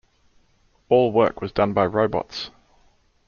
All work was done by robots.